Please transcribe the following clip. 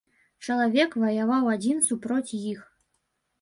Чалавек ваяваў адзін супроць іх.